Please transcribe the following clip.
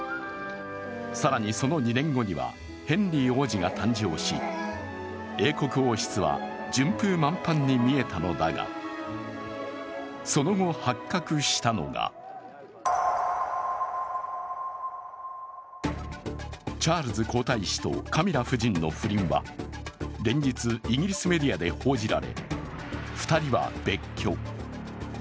更にその２年後にはヘンリー王子が誕生し、英国王室は順風満帆に見えたのだが、その後発覚したのがチャールズ皇太子とカミラ夫人の不倫は連日イギリスメディアで報じられ、２人は別居。